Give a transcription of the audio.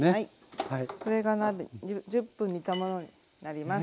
これが１０分煮たものになります。